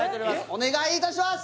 お願いいたします！